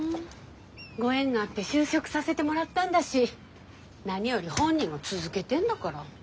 ご縁があって就職させてもらったんだし何より本人が続けてんだから。